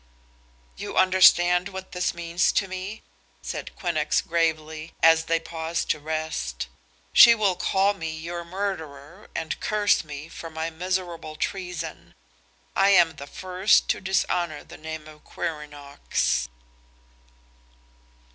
"You understand what this means to me," said Quinnox gravely, as they paused to rest. "She will call me your murderer and curse me for my miserable treason. I am the first to dishonor the name of Quirinox."